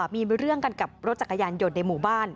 มีเรื่องกันกับรถจักรยานยนต์ในหมู่บ้าน